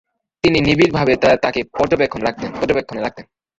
তিনি নিবিঢ়ভাবে তাকে পর্যবেক্ষণে রাখতেন।